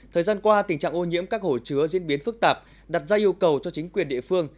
thời gian qua tình trạng ô nhiễm các hồ chứa diễn biến phức tạp đặt ra yêu cầu cho chính quyền địa phương